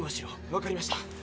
わかりました。